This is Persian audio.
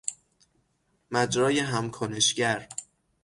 مجرای هم کنشگر